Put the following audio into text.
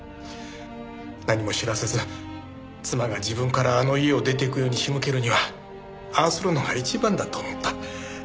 何も知らせず妻が自分からあの家を出ていくように仕向けるにはああするのが一番だと思った。